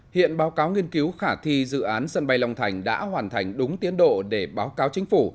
hiện báo cáo nghiên cứu khả thi dự án sân bay long thành đã hoàn thành đúng tiến độ để báo cáo chính phủ